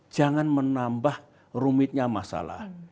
jangan menambah rumitnya masalah